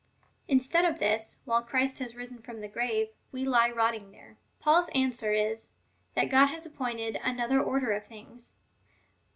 Instead of this, while Christ has risen from the grave, we lie rotting there." Paul's answer is, that God has appointed another order of things.